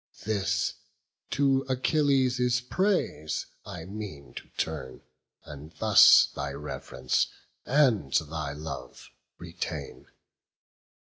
This to Achilles' praise I mean to turn, And thus thy rev'rence and thy love retain.